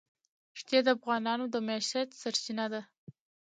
ښتې د افغانانو د معیشت سرچینه ده.